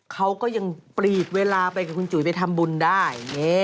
เขาก็ยังปลีกเวลาไปกับคุณจุ๋ยไปทำบุญได้